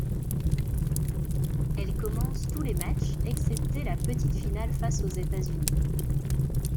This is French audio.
Elle commence tous les matchs, excepté la petite finale face aux États-Unis.